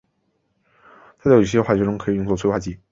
它在有机化学中可以用作催化剂。